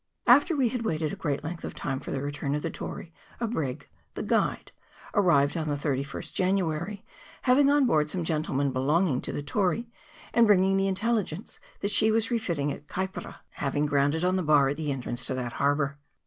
After we had waited a great length of time for the return of the Tory, a brig, the Guide, arrived on the 31st January, having on board some gentle men belonging to the Tory, and bringing the intelligence that she was refitting at Kaipara, hav CHAP. VIII.] TARANAKI. 171 ing grounded on the bar at the entrance to that harbour.